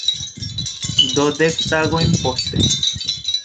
Do dek tagojn poste.